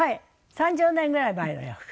３０年ぐらい前の洋服。